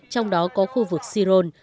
trong đó có khu vực siron